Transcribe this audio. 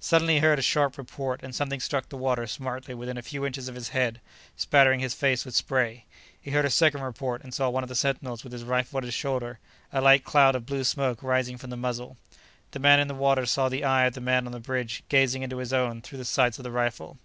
Suddenly he heard a sharp report and something struck the water smartly within a few inches of his head, spattering his face with spray. He heard a second report, and saw one of the sentinels with his rifle at his shoulder, a light cloud of blue smoke rising from the muzzle. The man in the water saw the eye of the man on the bridge gazing into his own through the sights of the rifle.